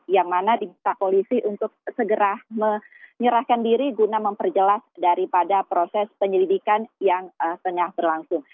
yang mana diminta polisi untuk segera menyerahkan diri guna memperjelas daripada proses penyelidikan yang tengah berlangsung